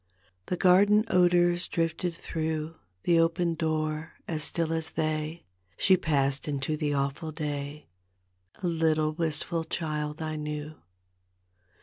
The garden odors drifted through The open door; as still as they She passed into the awful day, A little, wistful child I knew.